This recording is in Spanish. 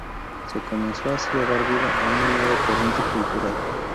Se comenzó así a dar vida a una nueva corriente cultural.